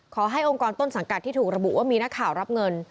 ขอให้องค์กรต้นสังกัดที่ถูกระบุว่ามีนักข่าวรับเงิน